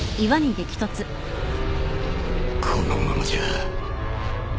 このままじゃ